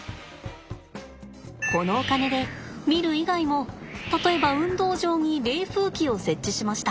このお金でミル以外も例えば運動場に冷風機を設置しました。